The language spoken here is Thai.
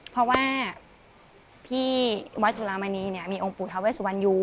เพราะว่าที่วัดจุลามณีเนี่ยมีองค์ปู่ทาเวสุวรรณอยู่